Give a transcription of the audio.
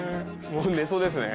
もう寝そうですね。